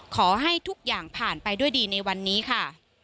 ขอให้ทุกอย่างผ่านไปด้วยดีในวันนี้ค่ะ